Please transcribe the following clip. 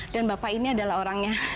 dan bapak ini adalah orangnya